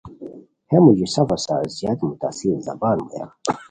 ہے موژی سفو سار زیاد متاثر زبان بویان